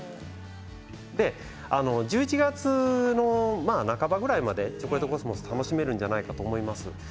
１１月の半ばぐらいまでチョコレートコスモスは楽しめるんじゃないかと思います。